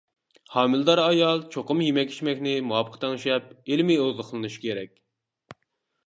ھامىلىدار ئايال چوقۇم يېمەك-ئىچمەكنى مۇۋاپىق تەڭشەپ، ئىلمىي ئوزۇقلىنىشى كېرەك.